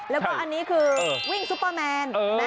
แล้วก็อันนี้คือวิ่งซุปเปอร์แมน